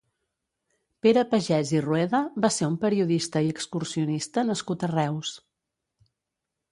Pere Pagès i Rueda va ser un periodista i excursionista nascut a Reus.